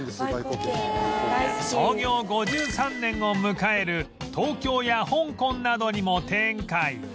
創業５３年を迎え東京や香港などにも展開